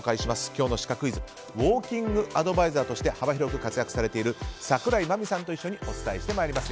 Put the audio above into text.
今日のシカクイズウォーキングアドバイザーとして幅広く活躍されている櫻井麻美さんと一緒にお伝えしてまいります。